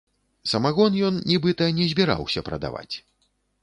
Самагон ён, нібыта, не збіраўся прадаваць.